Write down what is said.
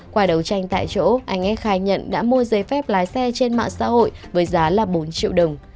qua đấu tranh tại chỗ anh ad khai nhận đã mua giấy phép lái xe trên mạng xã hội với giá là bốn triệu đồng